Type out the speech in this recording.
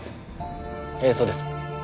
ええそうです。